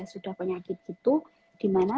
sudah penyakit gitu dimana